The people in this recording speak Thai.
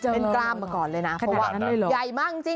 เป็นกล้ามมาก่อนเลยนะเพราะว่าใหญ่มากจริง